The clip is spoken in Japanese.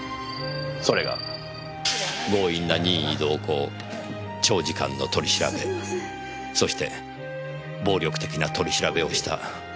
それが強引な任意同行長時間の取り調べそして暴力的な取り調べをした言い訳ですか。